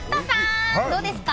お味どうですか？